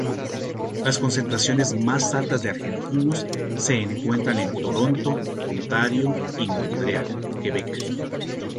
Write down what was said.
Las concentraciones más altas de argentinos se encuentran en Toronto, Ontario, y Montreal, Quebec.